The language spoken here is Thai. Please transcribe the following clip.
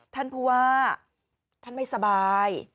ท่านผู้ว่าท่านไม่สบาย